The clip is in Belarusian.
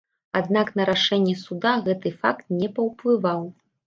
Аднак на рашэнне суда гэты факт не паўплываў.